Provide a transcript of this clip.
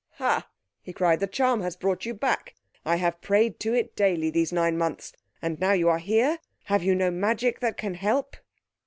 "Ha!" he cried, "the charm has brought you back! I have prayed to it daily these nine months—and now you are here? Have you no magic that can help?"